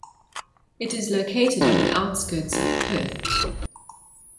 It is located on the outskirts of Perth.